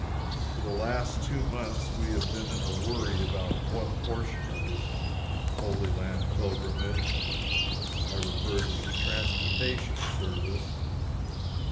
For the last two months we have been in a worry about one portion of this Holy Land pilgrimage. I refer to transportation service.